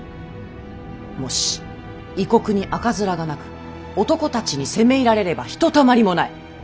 もし異国に赤面がなく男たちに攻め入られればひとたまりもない。